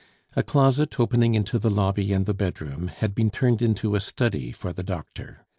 A closet, opening into the lobby and the bedroom, had been turned into a study for the doctor.